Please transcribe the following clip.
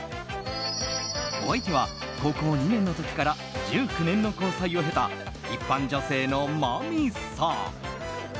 お相手は高校２年の時から１９年の交際を経た一般女性のマミさん。